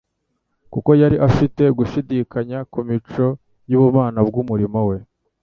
kuko yari afite gushidikanya ku mico y'ubumana bw'umurimo we.